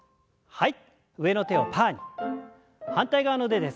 はい。